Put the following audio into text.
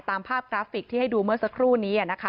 ตามภาพกราฟิกที่ให้ดูเมื่อสักครู่นี้นะคะ